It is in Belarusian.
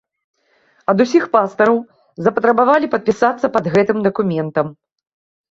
Ад усіх пастараў запатрабавалі падпісацца пад гэтым дакументам.